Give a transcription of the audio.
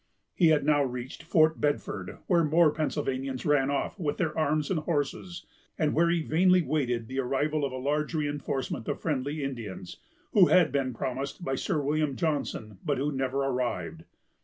He had now reached Fort Bedford, where more Pennsylvanians ran off, with their arms and horses, and where he vainly waited the arrival of a large reinforcement of friendly Indians, who had been promised by Sir William Johnson, but who never arrived.